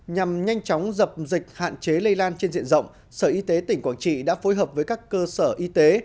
nhằm nhanh chóng dập dịch hạn chế lây lan trên diện rộng sở y tế tỉnh quảng trị đã phối hợp với các cơ sở y tế